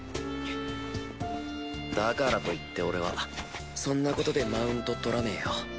だからと言って俺はそんなことでマウントとらねえよ。